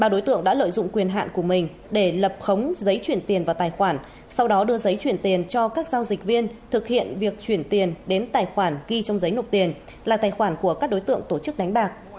ba đối tượng đã lợi dụng quyền hạn của mình để lập khống giấy chuyển tiền vào tài khoản sau đó đưa giấy chuyển tiền cho các giao dịch viên thực hiện việc chuyển tiền đến tài khoản ghi trong giấy nộp tiền là tài khoản của các đối tượng tổ chức đánh bạc